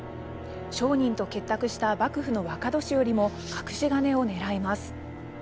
商人と結託した幕府の若年寄も隠し金を狙います。